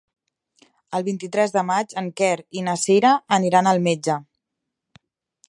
El vint-i-tres de maig en Quer i na Cira aniran al metge.